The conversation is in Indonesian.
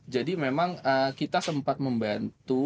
jadi memang kita sempat membantu